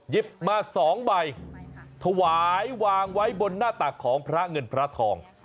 มา๒ใบถวายวางไว้บนหน้าตักของพระเงินพระทอง